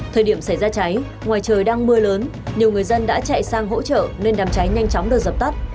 thời điểm xảy ra cháy ngoài trời đang mưa lớn nhiều người dân đã chạy sang hỗ trợ nên đàm cháy nhanh chóng được dập tắt